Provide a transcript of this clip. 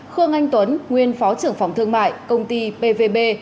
khương anh tuấn nguyên phó trưởng phòng thương mại công ty pvb